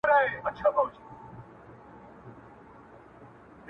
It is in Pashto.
د شرابو په محفل کي مُلا هم په گډا – گډ سو!!